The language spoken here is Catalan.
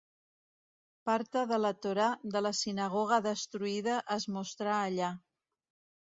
Parta de la Torà de la sinagoga destruïda es mostra allà.